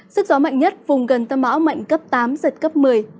sức gió mạnh nhất vùng gần tâm bão mạnh cấp tám giật cấp một mươi